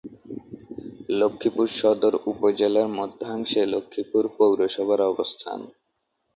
লক্ষ্মীপুর সদর উপজেলার মধ্যাংশে লক্ষ্মীপুর পৌরসভার অবস্থান।